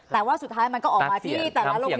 แต่ว่าสุดท้ายมันก็ออกมาที่แต่ละโรคเรียนประชาพิจารณ์